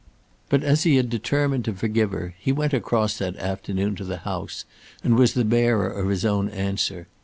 But as he had determined to forgive her, he went across that afternoon to the house and was the bearer of his own answer.